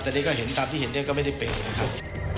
แต่นี่ก็เห็นตามที่เห็นเนี่ยก็ไม่ได้เป็นนะครับ